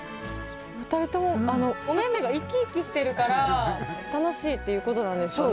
お二人ともお目々が生き生きしてるから楽しいっていうことなんでしょうね。